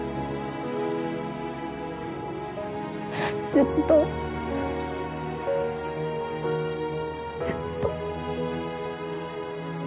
ずっとずっと。